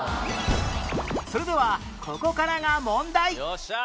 それではここからが問題